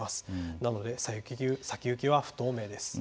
なので、先行きは不透明です。